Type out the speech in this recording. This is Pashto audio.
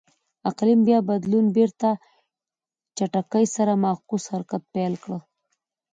اقلیم بیا بدلون بېرته چټکۍ سره معکوس حرکت پیل کړ.